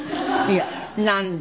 なんで？